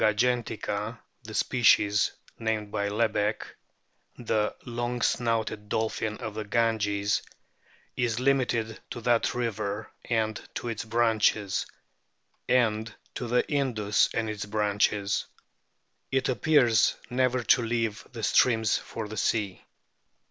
Platanista gangetica, the species named by Lebeck,* the "long snouted Dolphin of the Ganges," is limited to that river and to its branches, and to the Indus and its branches. It appears never to leave the streams for the sea.